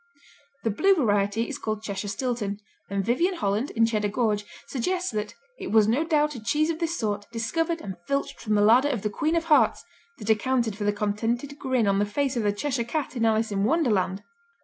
The Blue variety is called Cheshire Stilton, and Vyvyan Holland, in Cheddar Gorge suggests that "it was no doubt a cheese of this sort, discovered and filched from the larder of the Queen of Hearts, that accounted for the contented grin on the face of the Cheshire Cat in Alice in Wonderland."